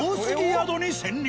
宿に潜入。